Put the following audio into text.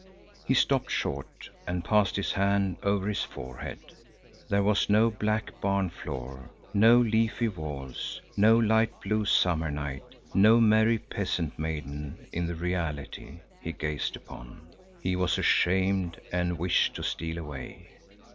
He stopped short and passed his hand over his forehead. There was no black barn floor, no leafy walls, no light blue summer night, no merry peasant maiden in the reality he gazed upon. He was ashamed and wished to steal away.